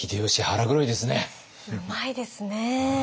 うまいですね。